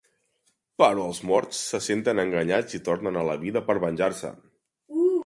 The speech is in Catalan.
Però els morts se senten enganyats i tornen a la vida per venjar-se.